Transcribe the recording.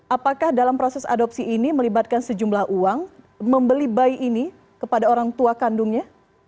apakah dalam proses adopsi ini melibatkan sejumlah uang membeli bayi ini kepada orang tua kandungnya